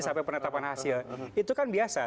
sampai penetapan hasil itu kan biasa